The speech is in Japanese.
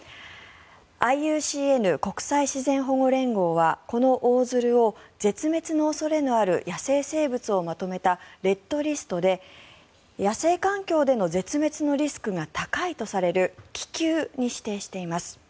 ＩＵＣＮ・国際自然保護連合はこのオオヅルを絶滅の恐れのある野生生物をまとめたレッドリストで野生環境での絶滅のリスクが高いとされる危急に指定しています。